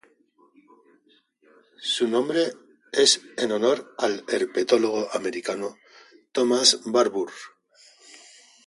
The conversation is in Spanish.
Su nombre es en honor al herpetólogo americano Thomas Barbour.